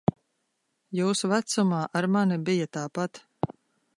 Jūsu vecumā ar mani bija tāpat.